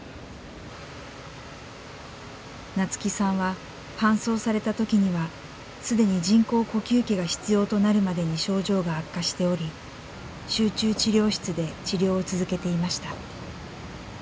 夏輝さんは搬送された時には既に人工呼吸器が必要となるまでに症状が悪化しており集中治療室で治療を続けていました。